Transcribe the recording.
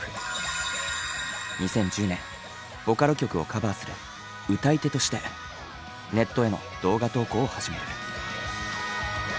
２０１０年ボカロ曲をカバーする歌い手としてネットへの動画投稿を始める。